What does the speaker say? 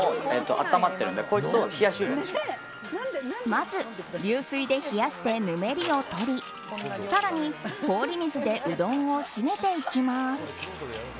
まず流水で冷やしてぬめりを取り更に氷水でうどんをしめていきます。